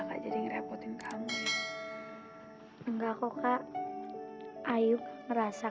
yaudah sekarang mendingan kamu berangkat sekolah kak